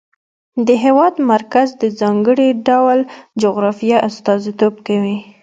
د هېواد مرکز د ځانګړي ډول جغرافیه استازیتوب کوي.